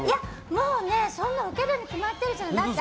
もうね、そんな受けるに決まってるじゃないですか。